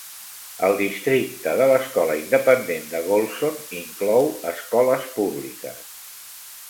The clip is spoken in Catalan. El districte de l'escola independent de Gholson inclou escoles públiques.